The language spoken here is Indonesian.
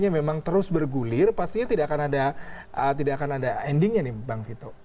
memang terus bergulir pastinya tidak akan ada endingnya nih bang vito